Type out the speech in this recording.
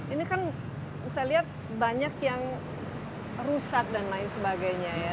ini kan saya lihat banyak yang rusak dan lain sebagainya ya